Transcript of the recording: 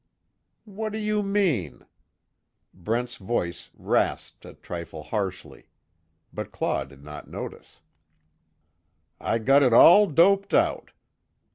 "What do you mean?" Brent's voice rasped a trifle harshly, but Claw did not notice. "I got it all doped out.